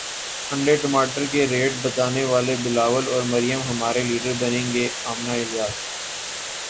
انڈے ٹماٹر کے ریٹ بتانے والے بلاول اور مریم ہمارے لیڈر بنیں گے امنہ الیاس